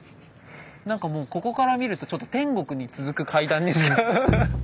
なんかもうここから見るとちょっと天国に続く階段にしか。